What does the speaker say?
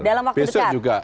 dalam waktu dekat